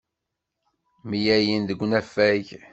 Mlalent deg unafag.